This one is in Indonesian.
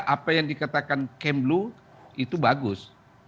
apa yang dikatakan kemlu itu bagus